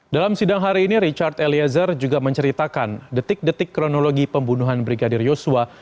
dalam sidang hari ini richard eliezer juga menceritakan detik detik kronologi pembunuhan brigadir yosua